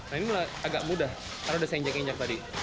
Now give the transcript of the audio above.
nah ini agak mudah karena sudah saya injek injek tadi